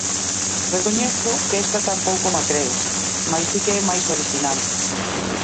Recoñezo que esta tampouco ma creo, mais si que é máis orixinal.